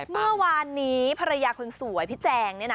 เมื่อวานนี้ภรรยาคนสวยพี่แจงเนี่ยนะ